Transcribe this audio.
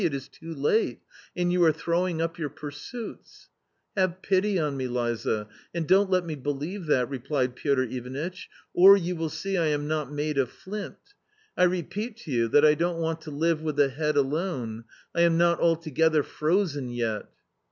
it is too late, and you are throwing up your pursuits "" Have pity on me, Liza, and don't let me believe that," replied Piotr Ivanitch, " or, you will see lam not made of flint. I repeat to you, that I don't want to live with the head alone ; I am not altogether frozen yet."